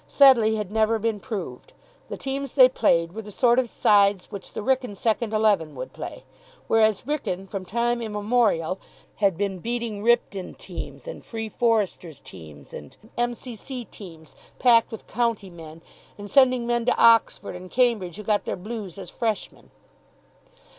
Sedleigh had never been proved. The teams they played were the sort of sides which the Wrykyn second eleven would play. Whereas Wrykyn, from time immemorial, had been beating Ripton teams and Free Foresters teams and M.C.C. teams packed with county men and sending men to Oxford and Cambridge who got their blues as freshmen.